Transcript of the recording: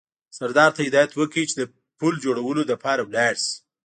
سردار ته هدایت وکړ چې د پل جوړولو لپاره ولاړ شي.